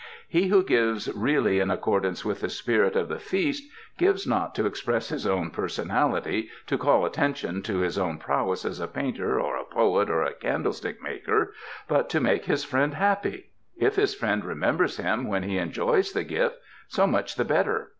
He who gives really in ac cordance with the spirit of the feast gives not to ex press his own personality, to call attention to his own prowess as a painter or a poet or a candlestick maker, but to make his friend happy. If his friend remembers him when he enjoys the gift, so much the better.